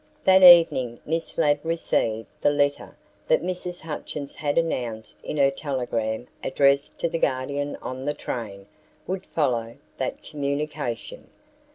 That evening Miss Ladd received the letter that Mrs. Hutchins had announced in her telegram addressed to the Guardian on the train, would follow that communication.